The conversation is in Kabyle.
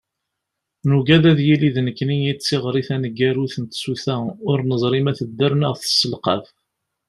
Nugad ad yili d nekkni i d tiɣri taneggarut n tsuta ur neẓri ma tedder neɣ tesselqaf.